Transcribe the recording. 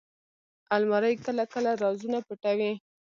الماري کله کله رازونه پټوي